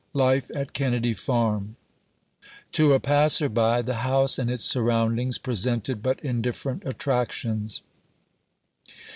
LITE AT KENNEDY FARM. To a passer by, the house and its surroundings presented but indifferent attractions.